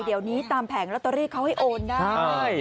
เดี๋ยวนี้ตามแผงลอตเตอรี่เขาให้โอนได้